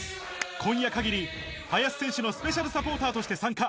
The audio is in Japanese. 今夜かぎり、林選手のスペシャルサポーターとして参加。